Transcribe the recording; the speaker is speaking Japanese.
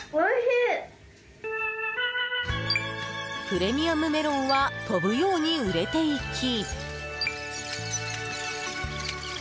プレミアムメロンは飛ぶように売れていき。